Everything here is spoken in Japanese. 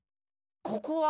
ここは？